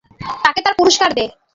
তাকে তার পুরষ্কার দে।